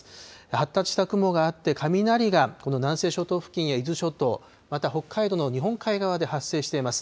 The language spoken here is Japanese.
発達した雲があって、雷がこの南西諸島付近や伊豆諸島、また、北海道の日本海側で発生しています。